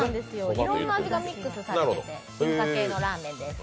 いろんな味がミックスされてて進化系のラーメンです。